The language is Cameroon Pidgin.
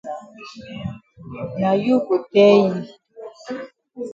Na you go tell yi.